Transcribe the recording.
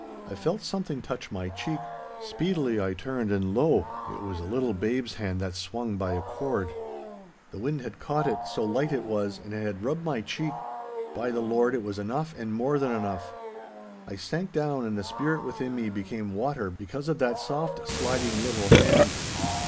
I felt something touch my cheek. Speedily I turned, and, lo! it was a little babe's hand that swung by a cord. The wind had caught it, so light it was, and it had rubbed my cheek. By the Lord, it was enough and more than enough. I sank down and the spirit within me became water because of that soft, sliding little hand.